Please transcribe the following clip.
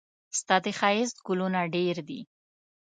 ستا د ښايست ګلونه ډېر دي.